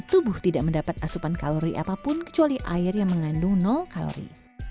tubuh tidak mendapat asupan kalori apapun kecuali air yang mengandung kalori